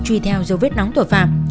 truy theo dấu vết nóng tội phạm